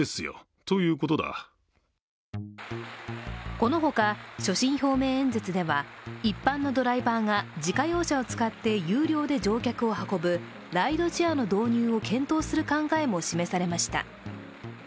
このほか、所信表明演説では一般のドライバーが自家用車を使って有料で乗客を運ぶライドシェアの導入を検討する考えも示されました。